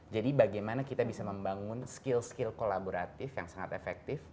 jadi bagaimana kita bisa membangun skill skill kolaboratif yang sangat efektif